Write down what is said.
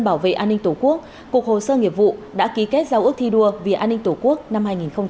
bảo vệ an ninh tổ quốc cục hồ sơ nghiệp vụ đã ký kết giao ước thi đua vì an ninh tổ quốc năm hai nghìn hai mươi bốn